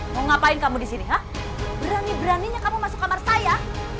mau ngapain kamu disini berani beraninya kamu masuk kamar saya